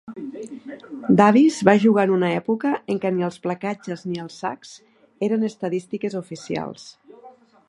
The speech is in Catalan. Davis va jugar en una època en què ni els placatges ni els sacs eren estadístiques oficials.